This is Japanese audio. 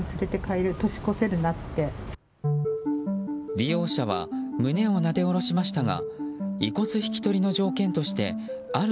利用者は胸をなで下ろしましたが遺骨引き取りの条件としてある